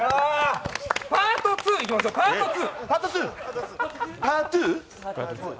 パート２いきましょう、パート２。